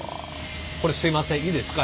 すいませんいいですか？